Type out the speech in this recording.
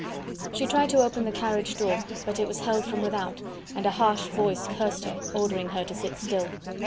She tried to open the carriage door, but it was held from without, and a harsh voice cursed her, ordering her to sit still.